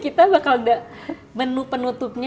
kita bakal ada menu penutupnya